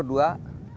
tambah telur dua